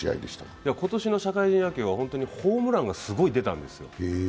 今年の社会人野球はホームランがすごく出たんですよ。